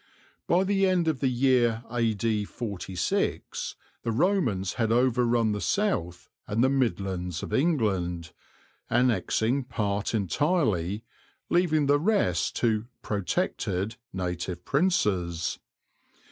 By the end of the year A.D. 46 the Romans had overrun the south and the Midlands of England, annexing part entirely, leaving the rest to "protected" native princes.